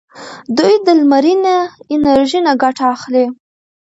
دوی د لمرینه انرژۍ نه ګټه اخلي.